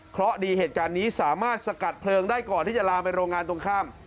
เพราะดีเหตุการณ์นี้สามารถสกัดเพลิงได้ก่อนที่จะลามไปโรงงานตรงข้าม